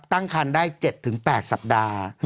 ตั้งคันได้๗๘สัปดาห์